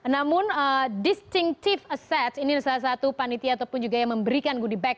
namun distinctive assets ini salah satu panitia ataupun juga yang memberikan goodie bag